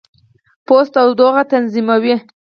پوست تودوخه تنظیموي.